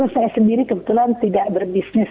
saya sendiri kebetulan tidak berbisnis